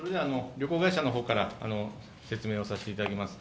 旅行会社から説明をさせていただきます。